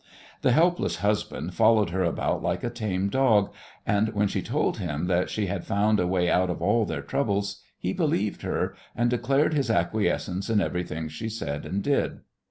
The helpless husband followed her about like a tame dog, and when she told him that she had found a way out of all their troubles he believed her, and declared his acquiescence in everything she said and did.